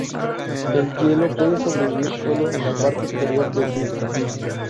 El hielo puede sobrevivir solo en la parte exterior del disco.